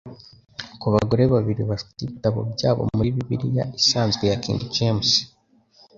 ku bagore babiri bafite ibitabo byabo muri Bibiliya isanzwe ya King James